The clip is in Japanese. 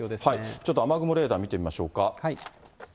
ちょっと雨雲レーダー見てみましょうか。